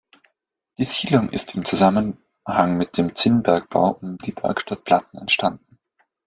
Die Siedlung ist in Zusammenhang mit dem Zinnbergbau um die Bergstadt Platten entstanden.